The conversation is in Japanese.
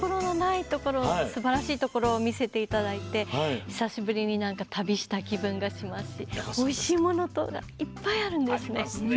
すばらしいところを見せていただいて久しぶりに旅した気分がしますしおいしいものがいっぱいあるんですね。